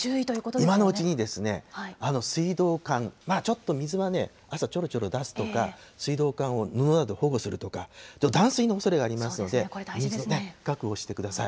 今のうちに水道管、まあちょっと水はね、朝ちょろちょろ出すとか、水道管を布などで保護するとか、断水のおそれがありますので、水を確保してください。